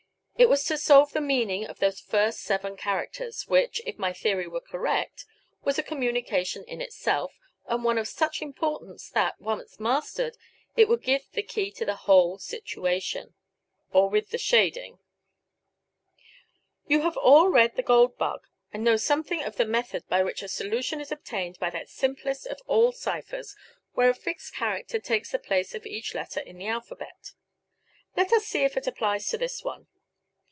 It was to solve the meaning of those first seven characters, which, if my theory were correct, was a communication in itself, and one of such importance that, once mastered, it would give the key to the whole situation. []; V; [];.>; V; [];<; or with the shading (same in bold transcriber) []; V; [];.>; V; [];<; You have all read The Gold Bug, and know something of the method by which a solution is obtained by that simplest of all ciphers, where a fixed character takes the place of each letter in the alphabet. Let us see if it applies to this one.